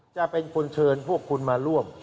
จะเป็นคนเชิญพวกคุณมาร่วม